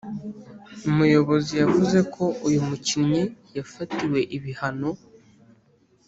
umuyobozi, yavuze ko “uyu mukinnyi yafatiwe ibihano,